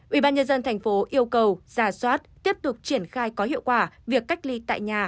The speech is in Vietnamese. ubnd tp yêu cầu giả soát tiếp tục triển khai có hiệu quả việc cách ly tại nhà